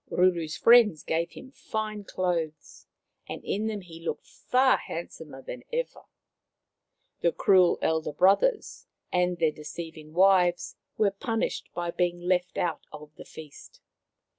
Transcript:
Ruru's friends gave him fine clothes, and in them he looked far handsomer than ever. The Most Beautiful Maiden 183 The cruel elder brothers and their deceiving wives were punished by being left out of the feast.